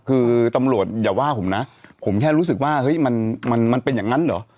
คือตำรวจอย่าว่าผมนะผมแค่รู้สึกว่าเฮ้ยมันมันเป็นอย่างนั้นเหรอ